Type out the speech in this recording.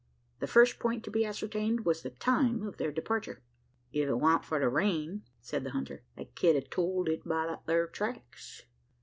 The first point to be ascertained was the time of their departure. "If it wan't for the rain," said the hunter, "I ked a told it by thar tracks.